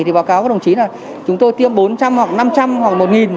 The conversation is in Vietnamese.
thì báo cáo các đồng chí là chúng tôi tiêm bốn trăm linh hoặc năm trăm linh hoặc một